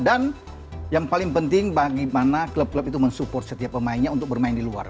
dan yang paling penting bagaimana klub klub itu mensupport setiap pemainnya untuk bermain di luar